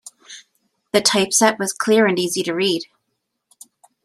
The typeset was clear and easy to read.